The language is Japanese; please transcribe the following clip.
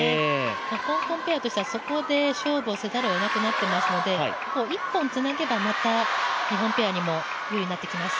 香港ペアとしてはそこで勝負をせざるを得なくなっていますので１本つなげば、また日本ペアにも有利になってきます。